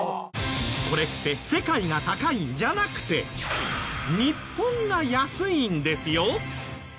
これって世界が高いんじゃなくて日本が安いんですよ。